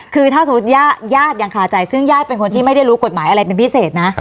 คือแยดอย่างขาใจซึ่งแยดเป็นคนที่ไม่ได้รู้กฎหมายอะไรเป็นพิเศษนะ